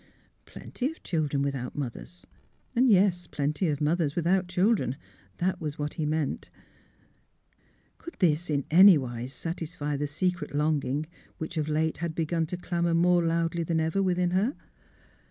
Plenty of children without mothers; and — yes, plenty of mothers without children. That was what he meant. Could this in any wise satisfy the secret longing which of late had begun to clamour more loudly than ever within her?